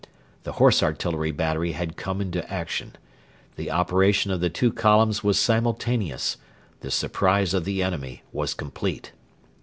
The Horse Artillery battery had come into action. The operation of the two columns was simultaneous: the surpise of the enemy was complete.